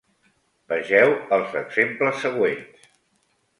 Vegeu els exemples següents.